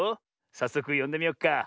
さっそくよんでみよっか。